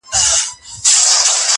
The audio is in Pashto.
جام دي کم ساقي دي کمه بنګ دي کم-